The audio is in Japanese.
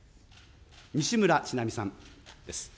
西村智奈美さんです。